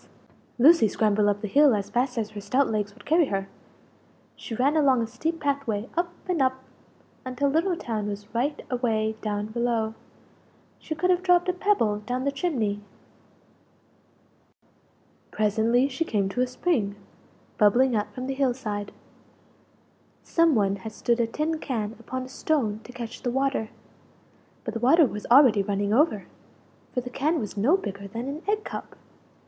Lucie scrambled up the hill as fast as her stout legs would carry her; she ran along a steep path way up and up until Little town was right away down below she could have dropped a pebble down the chimney! Presently she came to a spring, bubbling out from the hill side. Some one had stood a tin can upon a stone to catch the water but the water was already running over, for the can was no bigger than an egg cup!